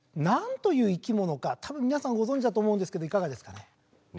何という生き物か多分皆さんはご存じだと思うんですけどいかがですかね？